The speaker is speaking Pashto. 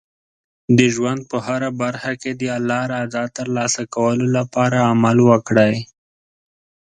د ژوند په هره برخه کې د الله رضا ترلاسه کولو لپاره عمل وکړئ.